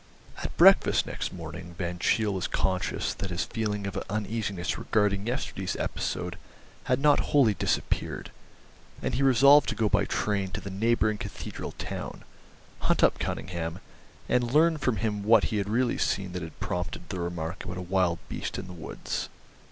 At breakfast next morning Van Cheele was conscious that his feeling of uneasiness regarding yesterday's episode had not wholly disappeared, and he resolved to go by train to the neighbouring cathedral town, hunt up Cunningham, and learn from him what he had really seen that had prompted the remark about a wild beast in the woods.